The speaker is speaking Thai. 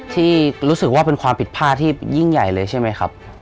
ที่รู้สึกว่าเป็นความผิดพลาดที่ยิ่งใหญ่เลยใช่ไหมครับ